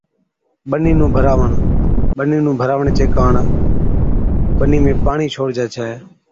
ٻنِي نُون ڀراوَڻ، ٻنِي ڀراوَڻي چي ڪاڻ ٻنِي ۾ پاڻِي ڇوڙجَي ڇَي۔